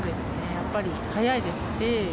やっぱり早いですし。